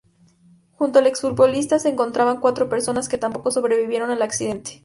Junto al exfutbolista se encontraban cuatro personas que tampoco sobrevivieron al accidente.